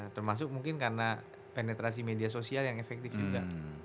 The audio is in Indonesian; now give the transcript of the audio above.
termasuk mungkin karena penetrasi media sosial yang efektif juga